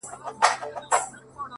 ستا د بنگړو مست شرنگهار وچاته څه وركوي،